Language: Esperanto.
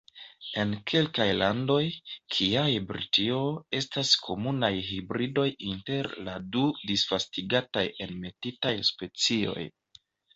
En kelkaj landoj, kiaj Britio, estas komunaj hibridoj inter la du disvastigataj Enmetitaj specioj.